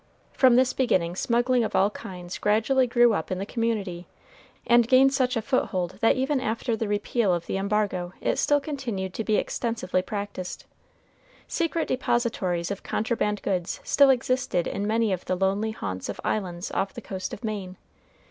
From this beginning smuggling of all kinds gradually grew up in the community, and gained such a foothold that even after the repeal of the embargo it still continued to be extensively practiced. Secret depositories of contraband goods still existed in many of the lonely haunts of islands off the coast of Maine.